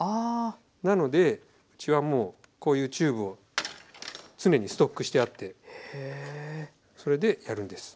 なのでうちはもうこういうチューブを常にストックしてあってそれでやるんです。